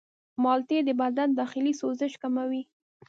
مالټې د بدن داخلي سوزش کموي.